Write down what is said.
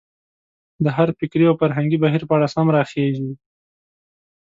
د هر فکري او فرهنګي بهیر په اړه سم راخېژي.